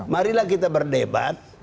marilah kita berdebat